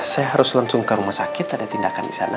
saya harus langsung ke rumah sakit ada tindakan di sana